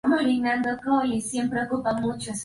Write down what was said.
Ella tiene un hurón mascota llamado Chip.